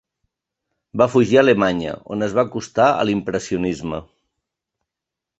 Va fugir a Alemanya, on es va acostar a l'impressionisme.